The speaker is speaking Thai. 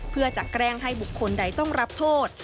เพื่อจะแกล้งให้บุคคลใดต้องรับโทษ